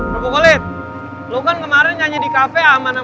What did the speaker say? rupukulit lo kan kemarin nyanyi di cafe aman aman aja tuh